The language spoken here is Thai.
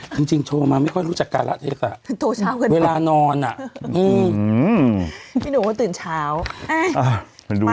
จริงจริงโชว์มาไม่ค่อยรู้จักกาลักษณ์อ่ะเวลานอนอ่ะพี่หนูก็ตื่นเช้าอ้าว